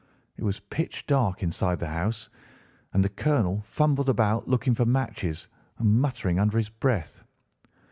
"It was pitch dark inside the house, and the colonel fumbled about looking for matches and muttering under his breath.